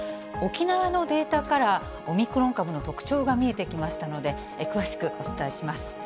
沖縄のデータから、オミクロン株の特徴が見えてきましたので、詳しくお伝えします。